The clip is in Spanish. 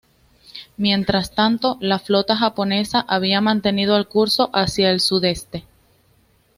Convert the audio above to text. Mientras tanto, la flota japonesa había mantenido el curso hacia el sudeste.